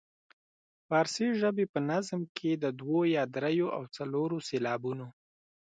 فارسي ژبې په نظم کې د دوو یا دریو او څلورو سېلابونو.